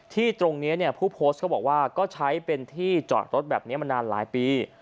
ที่ตรงนี้เนี่ยผู้โพสต์เขาบอกว่าก็ใช้เป็นที่จอดรถแบบนี้มานานหลายปี